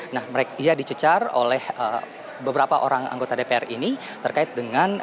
nah ia dicecar oleh beberapa orang anggota dpr ini terkait dengan